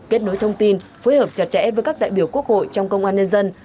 kết nối thông tin phối hợp chặt chẽ với các đại biểu quốc hội trong công an nhân dân